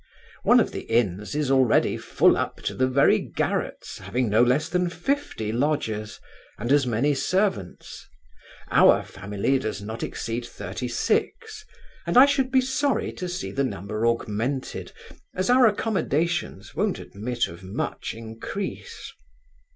One of the inns is already full up to the very garrets, having no less than fifty lodgers, and as many servants. Our family does not exceed thirty six; and I should be sorry to see the number augmented, as our accommodations won't admit of much increase.